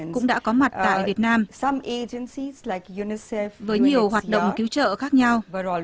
cũng đã có mặt tại việt nam với nhiều hoạt động cứu trợ khác nhau